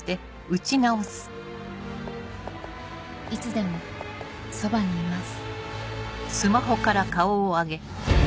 「いつでもそばにいます」。